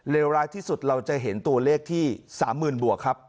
ร้ายที่สุดเราจะเห็นตัวเลขที่๓๐๐๐บวกครับ